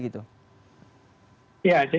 sehingga potensi virus ini terjadi